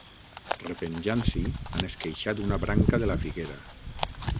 Repenjant-s'hi, han esqueixat una branca de la figuera.